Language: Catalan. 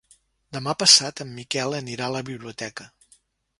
Demà passat en Miquel anirà a la biblioteca.